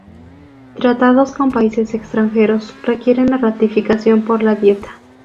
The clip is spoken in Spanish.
Tratados con países extranjeros requieren la ratificación por la Dieta.